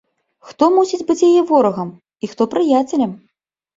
Хто мусіць быць яе ворагам і хто прыяцелем?